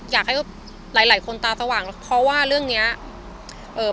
อยากให้หลายหลายคนตาสว่างเพราะว่าเรื่องเนี้ยเอ่อ